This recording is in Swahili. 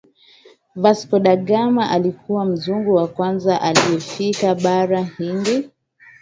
Vasco da Gama alikuwa Mzungu wa kwanza aliyefika Bara hindi